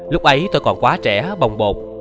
lúc ấy tôi còn quá trẻ bồng bột